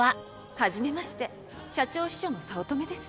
はじめまして社長秘書の早乙女です。